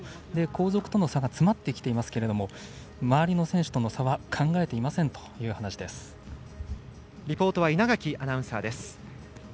後続との差が詰まってきていますけれども周りの選手との差はリポートは稲垣アナウンサーです。